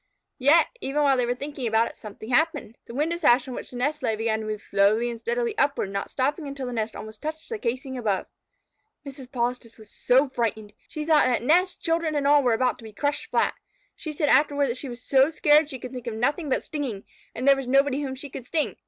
Yet, even while they were thinking about it, something else happened. The window sash on which the nest lay began to move slowly and steadily upward, not stopping until the nest almost touched the casing above. Mrs. Polistes was so frightened! She thought that nest, children, and all were about to be crushed flat. She said afterward that she was so scared she could think of nothing but stinging, and there was nobody whom she could sting.